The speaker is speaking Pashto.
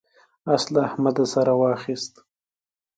اس له احمده سر واخيست.